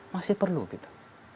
masih perlu gitu